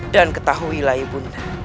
dan ketahuilah ibu undamu